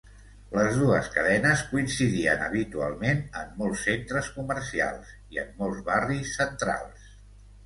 Les dues cadenes coincidien habitualment en molts centres comercials i en molts barris centrals.